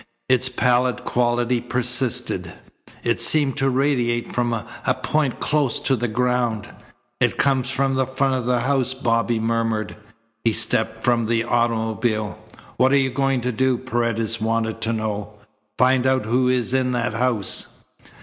Its pallid quality persisted. It seemed to radiate from a point close to the ground. "It comes from the front of the house," Bobby murmured. He stepped from the automobile. "What are you going to do?" Paredes wanted to know. "Find out who is in that house."